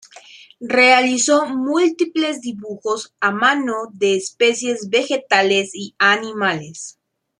Realizó múltiples dibujos a mano de especies vegetales y animales.